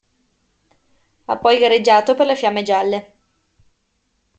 Ha poi gareggiato per le Fiamme Gialle.